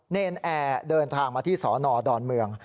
เนรนแอร์เดินทางมาที่สนดอนเมือง